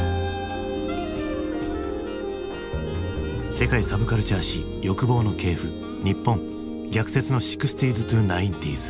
「世界サブカルチャー史欲望の系譜日本逆説の６０−９０ｓ」。